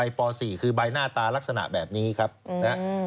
ใบป่าวสี่คือใบหน้าตารักษณะแบบนี้ครับอืม